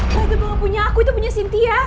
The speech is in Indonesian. gak ada bapak punya aku itu punya cynthia